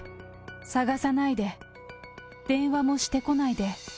捜さないで、電話もしてこないで。